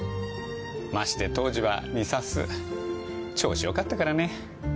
まして当時は２サス調子良かったからね。